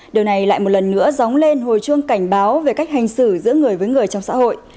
điều này lại một lần nữa dóng lên hồi chuông cảnh báo về cách hành xử giữa người với người trong xã hội